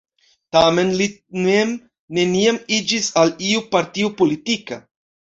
Tamen li mem neniam iĝis al iu partio politika.